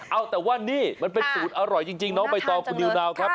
เอาแต่ว่านี่มันเป็นสูตรอร่อยจริงน้องใบตองคุณนิวนาวครับ